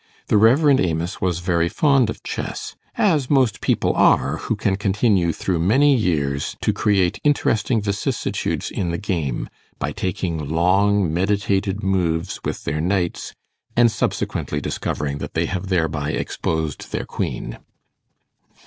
The Rev. Amos was very fond of chess, as most people are who can continue through many years to create interesting vicissitudes in the game, by taking long meditated moves with their knights, and subsequently discovering that they have thereby exposed their queen.